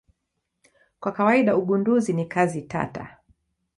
Kwa kawaida ugunduzi ni kazi tata.